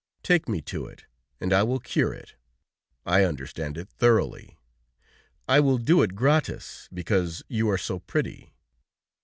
Take me to it, and I will cure it: I understand it thoroughly. I will do it gratis, because you are so pretty."